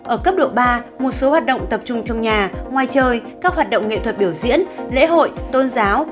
ở cấp độ ba một số hoạt động tập trung trong nhà ngoài trời các hoạt động nghệ thuật biểu diễn lễ hội tôn giáo